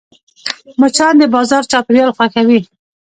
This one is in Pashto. مچان د بازار چاپېریال خوښوي